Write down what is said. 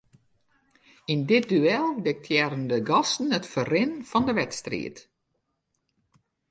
Yn dit duel diktearren de gasten it ferrin fan 'e wedstriid.